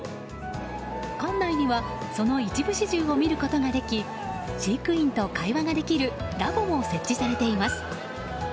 館内にはその一部始終を見ることができ飼育員と会話ができるラボも設置されています。